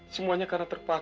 semuanya karena terpaksa